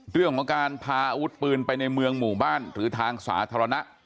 เรื่องของการพาอาวุธปืนไปในเมืองหมู่บ้านหรือทางสาธารณะ